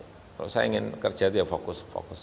kalau saya ingin kerja itu ya fokus fokus